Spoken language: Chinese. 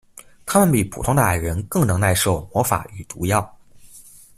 他们比普通的矮人更能耐受魔法与毒药。